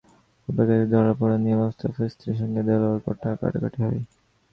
দুপুরে গাছের ঝরা পাতা নিয়ে মোস্তফার স্ত্রীর সঙ্গে দেলোয়ারের কথা-কাটাকাটি হয়।